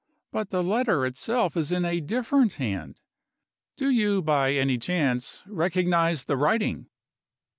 But the letter itself is in a different hand. Do you, by any chance, recognize the writing?"